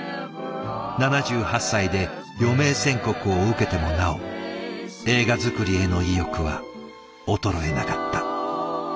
７８歳で余命宣告を受けてもなお映画作りへの意欲は衰えなかった。